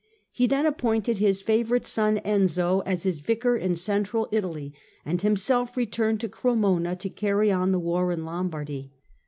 He then appointed his favourite son Enzio as his Vicar in Central Italy and himself returned to Cremona to carry on the war in Lombardy.